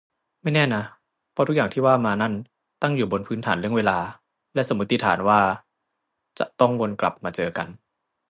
ไม่แน่นะ เพราะทุกอย่างที่ว่ามานั่น ตั้งอยู่บนพื้นฐานเรื่องเวลา และสมมติฐานว่าจะต้องวนกลับมาเจอกัน